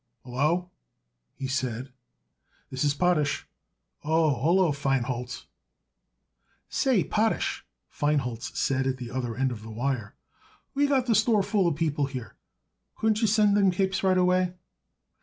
"Hallo!" he said. "Yes, this is Potash. Oh, hallo, Feinholz!" "Say, Potash," Feinholz said at the other end of the wire, "we got the store full of people here. Couldn't you send up them capes right away?"